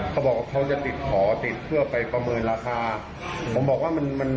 เขาบอกว่าเขาจะติดหอติดเพื่อไปประเมินราคาผมบอกว่ามันมัน